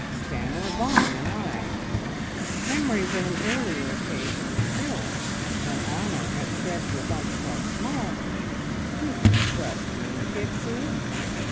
"Stanor Vaughan and I." ... Memories of an earlier occasion still when Honor had said with empressement. "You can trust me, Pixie!"